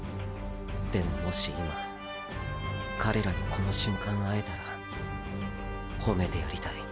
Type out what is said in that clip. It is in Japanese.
でももし今彼らにこの瞬間会えたらほめてやりたい。